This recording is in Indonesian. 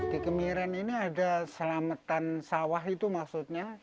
di kemiren ini ada selamatan sawah itu maksudnya